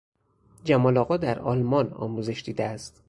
جمال آقا در آلمان آموزش دیده است.